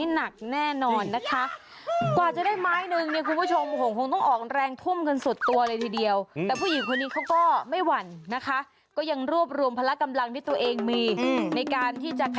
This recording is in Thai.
เห็นไหมเห็นแป๊บมาเมื่อกี้